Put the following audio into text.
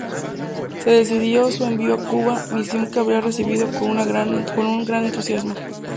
Se decidió su envío a Cuba, misión que habría recibido con un gran entusiasmo.